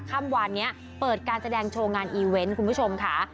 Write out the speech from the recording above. เมื่อวานนี้เปิดการแสดงโชว์งานอีเวนต์คุณผู้ชมค่ะ